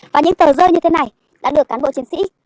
và những tờ rơi như thế này đã được cán bộ chiến sĩ